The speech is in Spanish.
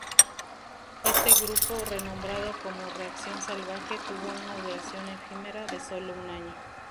Este grupo, renombrado como "Reacción Salvaje," tuvo una duración efímera de sólo un año.